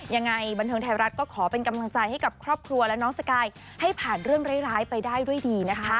ยังไงบันเทิงไทยรัฐก็ขอเป็นกำลังใจให้กับครอบครัวและน้องสกายให้ผ่านเรื่องร้ายไปได้ด้วยดีนะคะ